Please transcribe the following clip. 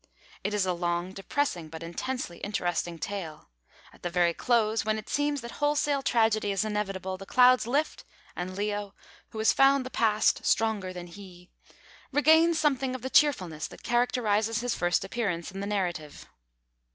It is a long, depressing, but intensely interesting tale. At the very close, when it seems that wholesale tragedy is inevitable, the clouds lift, and Leo, who has found the Past stronger than he, regains something of the cheerfulness that characterises his first appearance in the narrative.